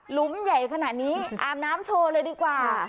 ลุมใหญ่ขนาดนี้อาบน้ำโชว์เลยดีกว่า